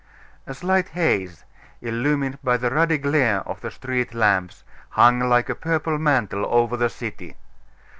A slight haze, illumined by the ruddy glare of the street lamps, hung like a purple mantle over the city.